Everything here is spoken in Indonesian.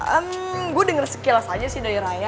hmm gue denger sekilas aja sih dari raya